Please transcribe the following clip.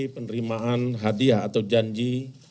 penerimaan hadiah atau janji